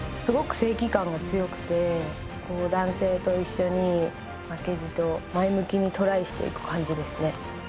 すごく正義感が強くてこう男性と一緒に負けじと前向きにトライしていく感じですね